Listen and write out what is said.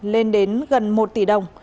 lên đến gần một tỷ đồng